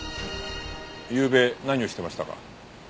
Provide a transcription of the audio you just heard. ゆうべ何をしてましたか？